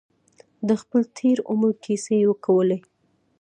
د خپل تېر عمر کیسې یې کولې.